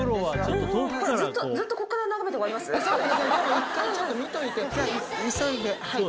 １回ちょっと見といて。